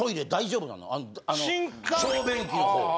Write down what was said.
小便器の方。